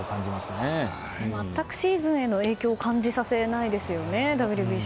ＷＢＣの全くシーズンへの影響を感じさせないですよね。